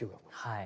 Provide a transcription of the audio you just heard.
はい。